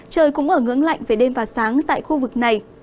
trời cũng ở ngưỡng lạnh về đêm và sáng tại khu vực này